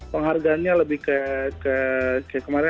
penghargaannya lebih ke kemarin